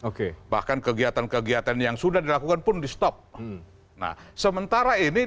oke bahkan kegiatan kegiatan yang sudah dilakukan pun di stop nah sementara ini